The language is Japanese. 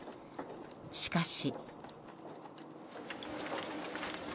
しかし。